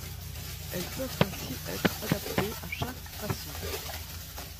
Elles peuvent ainsi être adaptées à chaque patient.